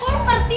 kok lu ngerti sih